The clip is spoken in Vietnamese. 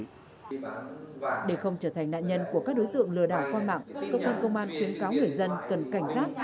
để không trở thành nạn nhân của các đối tượng lừa đảo qua mạng cơ quan công an khuyến cáo người dân cần cảnh giác